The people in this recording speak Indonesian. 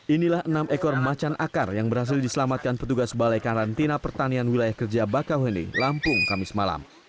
inilah enam ekor macan akar yang berhasil diselamatkan petugas balai karantina pertanian wilayah kerja bakauheni lampung kamis malam